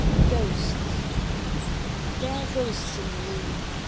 GHOSTS. There are ghosts in the room.